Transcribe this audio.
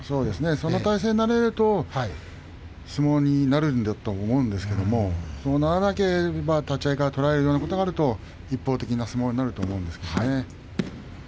その体勢になれると相撲になるんだと思うんですけれどもそうならなければ立ち合いから取られるようなことになれば一方的な相撲になるでしょうね。